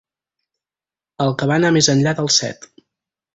El que va anar més enllà del set.